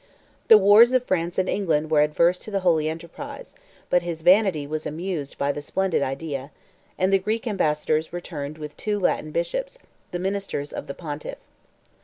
The wars of France and England were adverse to the holy enterprise; but his vanity was amused by the splendid idea; and the Greek ambassadors returned with two Latin bishops, the ministers of the pontiff.